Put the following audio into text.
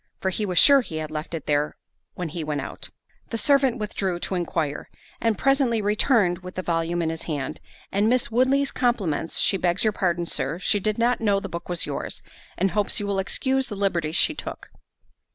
for he was sure he had left it there when he went out." The servant withdrew to enquire, and presently returned with the volume in his hand, and "Miss Woodley's compliments, she begs your pardon, Sir, she did not know the book was yours, and hopes you will excuse the liberty she took."